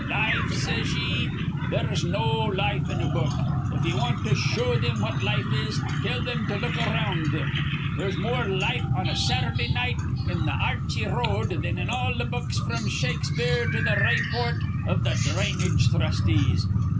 Life, says ye! There's no life in a book. If ye want to show thim what life is, tell thim to look around thim. There's more life on a Saturdah night in th' Ar rchy Road thin in all th' books fr'm Shakespeare to th' rayport iv th' drainage thrustees.